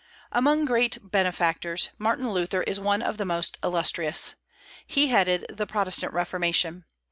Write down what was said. Among great benefactors, Martin Luther is one of the most illustrious. He headed the Protestant Reformation.